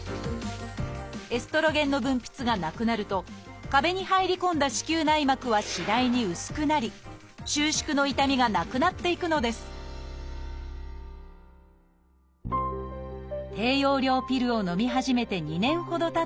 エストロゲンの分泌がなくなると壁に入り込んだ子宮内膜は次第に薄くなり収縮の痛みがなくなっていくのです低用量ピルをのみ始めて２年ほどたった岡崎さん。